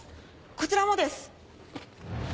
こちらもです！